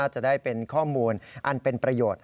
จะได้เป็นข้อมูลอันเป็นประโยชน์